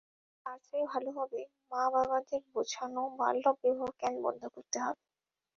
তার চেয়ে ভালো হবে মা বাবাদের বোঝানো বাল্যবিবাহ কেন বন্ধ করতে হবে।